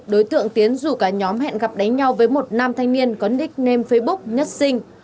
đối tượng tiến dù cả nhóm hẹn gặp đánh nhau với một nam thanh niên có nickname facebook nhất sinh